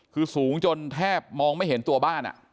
คือสูงจนแทบมองไม่เห็นตัวบ้าน